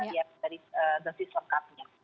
iya dari dosis lengkapnya